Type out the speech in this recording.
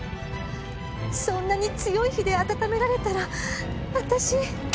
そんなに強い火で温められたら私。